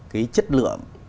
cái chất lượng